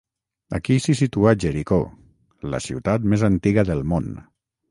Aquí s'hi situa Jericó, la ciutat més antiga del món.